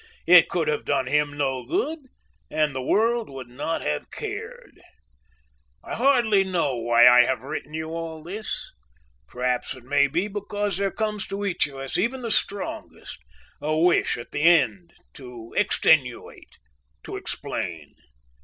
It could have done him no good, and the world would not have cared. "I hardly know why I have written you all of this. Perhaps it may be because there comes to each of us, even the strongest, a wish at the end to extenuate, to explain.